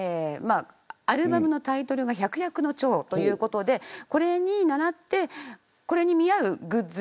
アルバムのタイトルが百薬の長ということでこれに、ならってこれに見合うグッズ